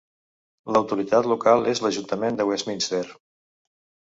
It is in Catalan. L'autoritat local és l'Ajuntament de Westminster.